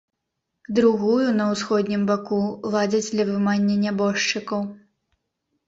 Другую на ўсходнім баку ладзяць для вымання нябожчыкаў.